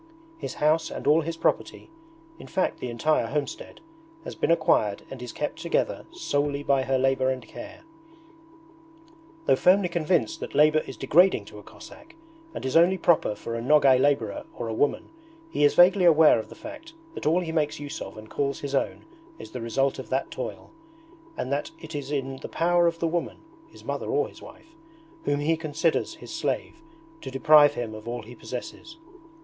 His house and all his property, in fact the entire homestead, has been acquired and is kept together solely by her labour and care. Though firmly convinced that labour is degrading to a Cossack and is only proper for a Nogay labourer or a woman, he is vaguely aware of the fact that all he makes use of and calls his own is the result of that toil, and that it is in the power of the woman (his mother or his wife) whom he considers his slave, to deprive him of all he possesses.